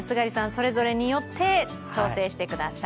それぞれによって調整してください。